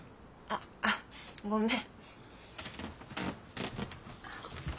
あっごめん。